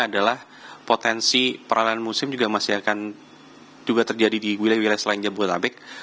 adalah potensi peralihan musim juga masih akan juga terjadi di wilayah wilayah selain jabodetabek